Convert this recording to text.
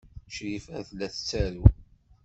Crifa tella tettaru.